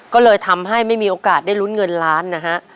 ก็เลยทำให้ไม่มีโอกาสได้ลุ้นเงินล้านนะฮะ